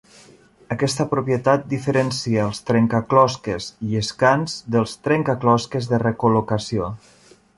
Aquesta propietat diferencia els trencaclosques lliscants dels trencaclosques de recol·locació.